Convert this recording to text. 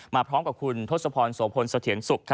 มาพร้อมกับคุณทศพรโสพลสะเทียนสุข